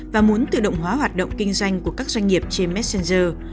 và muốn tự động hóa hoạt động kinh doanh của các doanh nghiệp trên messenger